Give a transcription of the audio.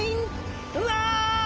うわ！